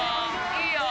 いいよー！